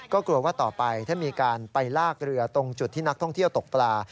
ก็กลัวว่าต่อไปถ้ามีการไปลากเรือตรงจุดที่นักท่องเที่ยวตกปลา